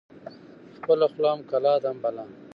خپله خوله هم کلا ده، هم بلا